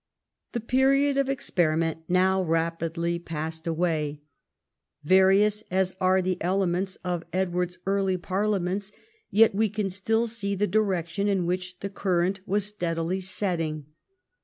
The period of experiment now rapidly passed away. Vai"ious as are the elements of Edward's early parlia ments, yet we can still see the direction in which the current Avas steadily setting.